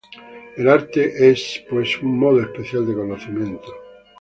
El arte es, pues, un modo especial de conocimiento.